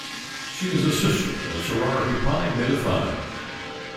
She is a sister in the sorority Pi Beta Phi.